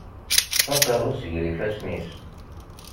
Teṭṭef aqerru-s gar yifassen-is.